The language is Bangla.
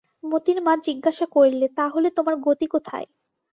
মোতির মা জিজ্ঞাসা করলে, তা হলে তোমার গতি কোথায়?